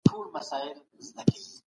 موږ په پښتو ژبي کي زده کړه کوو.